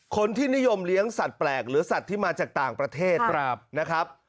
คนที่นิยมเลี้ยงสัตว์แปลกหรือสัตว์ที่มาจากต่างประเทศนะครับ